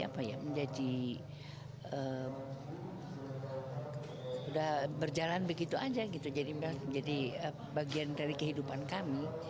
sudah berjalan begitu saja jadi bagian dari kehidupan kami